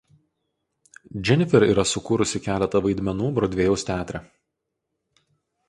Dženifer yra sukūrusi keletą vaidmenų Brodvėjaus teatre.